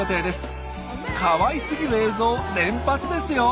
かわいすぎる映像連発ですよ！